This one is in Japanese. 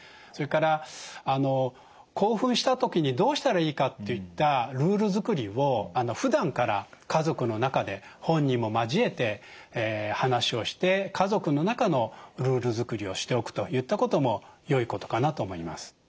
それから興奮した時にどうしたらいいかといったルール作りをふだんから家族の中で本人も交えて話をして家族の中のルール作りをしておくといったこともよいことかなと思います。